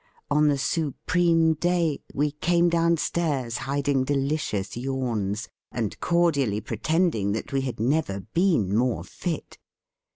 On the su preme day we came downstairs hiding delicious yawns, and cordially pretend ing that we had never been more fit.